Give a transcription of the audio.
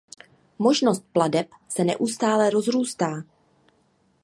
Možnost plateb se neustále rozrůstá.